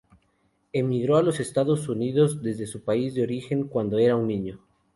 Emigró a Estados Unidos desde su país de origen cuando aún era un niño.